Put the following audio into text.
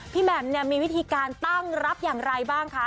แหม่มเนี่ยมีวิธีการตั้งรับอย่างไรบ้างคะ